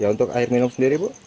untuk air minum sendiri bu